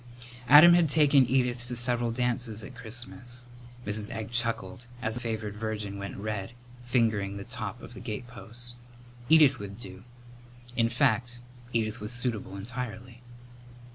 Adam had taken Edith to several dances at Christmas. Mrs. Egg chuckled as the favoured virgin went red, fingering the top of the gatepost. Edith would do. In fact, Edith was suitable, entirely.